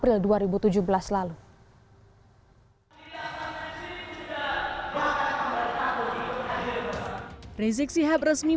rizik sihab resmi menyebabkan penyidik polda metro jaya berada di luar negeri